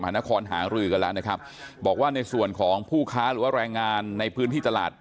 นครหารือกันแล้วนะครับบอกว่าในส่วนของผู้ค้าหรือว่าแรงงานในพื้นที่ตลาด